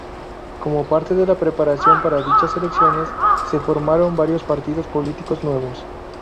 Como parte de la preparación para dichas elecciones, se formaron varios partidos políticos nuevos.